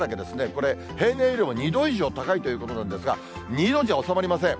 これ、平年よりも２度以上高いということなんですが、２度じゃ収まりません。